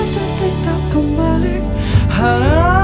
siapa yang nemenin kita ari